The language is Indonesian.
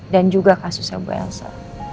juga kasusnya bu elsa